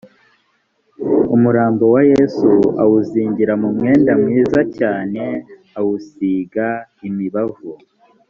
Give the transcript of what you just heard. umurambo wa yesu awuzingira mu mwenda mwiza cyane awusiga imibavu